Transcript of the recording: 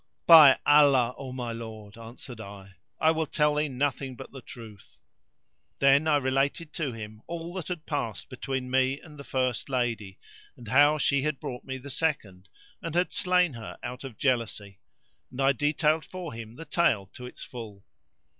"By Allah, O my lord," answered I, "I will tell thee nothing but the truth." Then I related to him all that had passed between me and the first lady, and how she had brought me the second and had slain her out of jealousy, and I detailed for him the tale to its full.